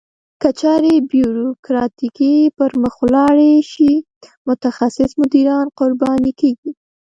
که چارې بیوروکراتیکي پرمخ ولاړې شي متخصص مدیران قرباني کیږي.